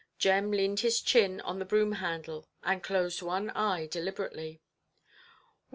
Jem leaned his chin on the broom–handle, and closed one eye deliberately.